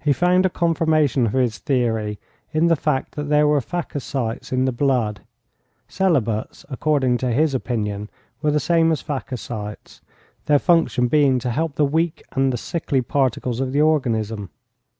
He found a confirmation of his theory in the fact that there were phacocytes in the blood. Celibates, according to his opinion, were the same as phacocytes, their function being to help the weak and the sickly particles of the organism.